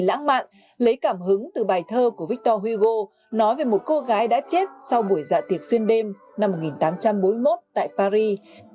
trong thời lãng mạn lấy cảm hứng từ bài thơ của victor hugo nói về một cô gái đã chết sau buổi dạ tiệc xuyên đêm năm một nghìn tám trăm bốn mươi một tại paris